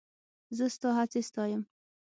زه ستا هڅې ستایم.